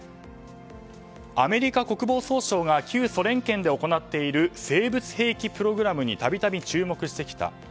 アメリカ国防総省が旧ソ連圏で行っている生物兵器プログラムに度々注目してきた。